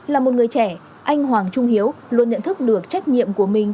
là một người trẻ anh hoàng trung hiếu luôn nhận thức được trách nhiệm của mình